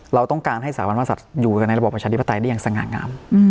เราต้องการให้สถาบันพระศัตริย์อยู่ในระบอบประชาธิปไตยได้อย่างสง่างาม